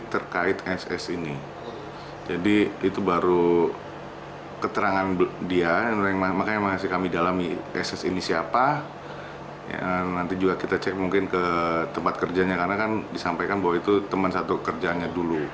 tersangka terlibat cek cok dengan suaminya